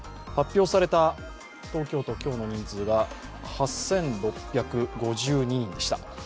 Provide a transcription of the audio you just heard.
発表された東京都、今日の人数は８６５２人でした。